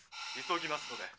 急ぎますので」。